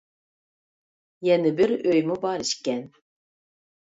يەنە بىر ئۆيمۇ بار ئىكەن.